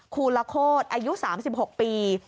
คูลโลโคตอายุ๓๖ปี